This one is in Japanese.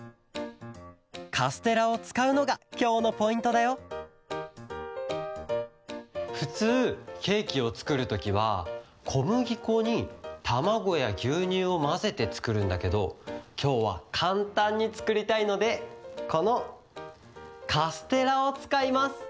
カステラをつかうのがきょうのポイントだよふつうケーキをつくるときはこむぎこにたまごやぎゅうにゅうをまぜてつくるんだけどきょうはかんたんにつくりたいのでこのカステラをつかいます。